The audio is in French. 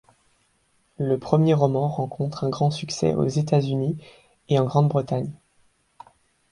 Le premier roman rencontre un grand succès aux États-Unis et en Grande-Bretagne.